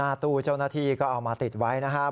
ตู้เจ้าหน้าที่ก็เอามาติดไว้นะครับ